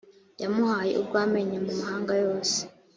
yamuhaye urwamenyo mu mahanga yose